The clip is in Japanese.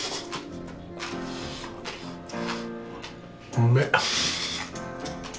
うめえ！